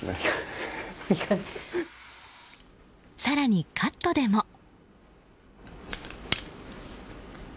更にカットでも。